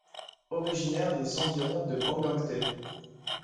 Originaires des environs de Bangangté.